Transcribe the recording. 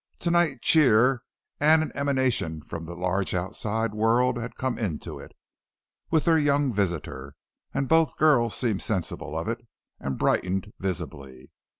To night cheer and an emanation from the large outside world had come into it with their young visitor, and both girls seemed sensible of it, and brightened visibly.